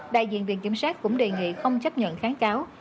đại diện viện kiểm sát cũng đề nghị không chấp nhận kháng cáo